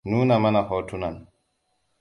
Nuna mana hotunan.